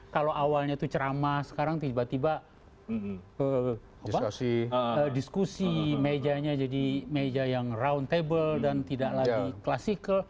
kalau awalnya itu ceramah sekarang tiba tiba diskusi mejanya jadi meja yang rountable dan tidak lagi klasikal